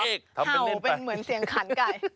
เห่าเป็นเหมือนเสียงขันไก่